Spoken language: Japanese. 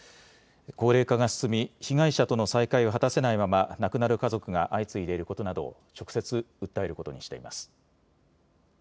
高齢化が進み被害者との再会を果たせないまま亡くなる家族が相次いでいることなどを直接訴えることにしています。